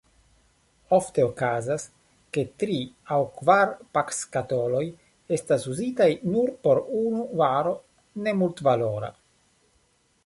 Ofte okazas, ke tri aŭ kvar pakskatoloj estas uzitaj nur por unu varo nemultvalora.